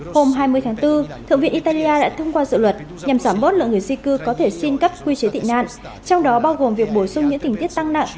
hôm hai mươi tháng bốn thượng viện italia đã thông qua dự luật nhằm giảm bớt lượng người di cư có thể xin cấp quy chế tị nạn trong đó bao gồm việc bổ sung những tình tiết tăng nặng